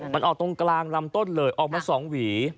มันออกตรงกลางลำต้นเลยออกมา๒หวี